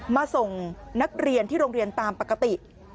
ส่งนักเรียนที่โรงเรียนตามปกติ